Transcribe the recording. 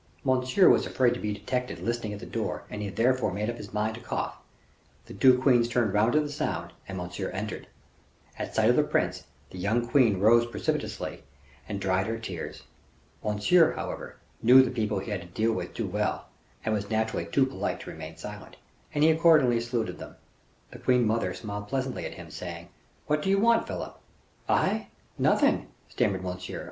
Monsieur was afraid to be detected listening at the door and he therefore made up his mind to cough; the two queens turned round at the sound and Monsieur entered. At sight of the prince, the young queen rose precipitately, and dried her tears. Monsieur, however, knew the people he had to deal with too well, and was naturally too polite to remain silent, and he accordingly saluted them. The queen mother smiled pleasantly at him, saying, "What do you want, Philip?" "I? nothing," stammered Monsieur.